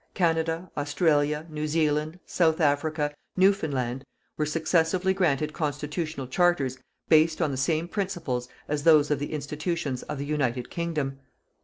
Canada, Australia, New Zealand, South Africa, Newfoundland were successively granted constitutional charters based on the same principles as those of the institutions of the United Kingdom.